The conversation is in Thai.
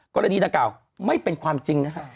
กรณีดังกล่าวไม่เป็นความจริงนะฮะ